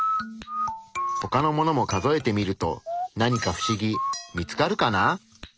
ほかのものも数えてみると何かフシギ見つかるかな？